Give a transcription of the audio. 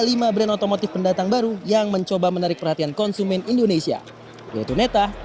lima brand otomotif pendatang baru yang mencoba menarik perhatian konsumen indonesia yaitu neta